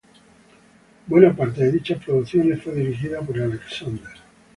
Buena parte de dichas producciones fue dirigida por Alexander.